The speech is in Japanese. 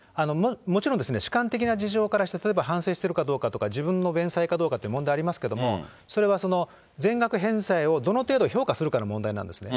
もちろん主観的な事情からして、例えば反省しているかどうかとか、自分の返済とか、問題ありますけれども、それはその全額返済をどの程度評価するかの問題なんですね。